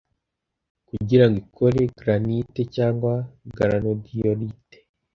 kugirango ikore granite cyangwa granodiorite